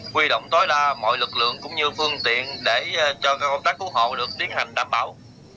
quy động tối đa mọi lực lượng cũng như phương tiện để cho công tác cứu hộ được tiến hành đảm bảo